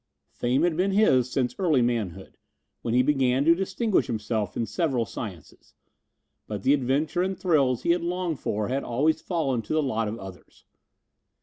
Fame had been his since early manhood, when he began to distinguish himself in several sciences, but the adventure and thrills he had longed for had always fallen to the lot of others.